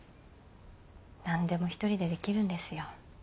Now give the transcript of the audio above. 何でも一人でできるんですよ。